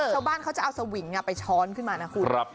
ชาวบ้านเขาจะเอาสวิงไปช้อนขึ้นมานะคุณ